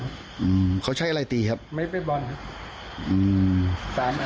อือเขาใช้อะไรตีครับไม้เบสบอลล์ครับอือ